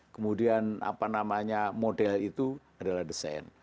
kemudian apa namanya model itu adalah desain